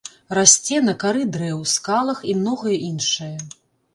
Расце на кары дрэў, скалах і многае іншае.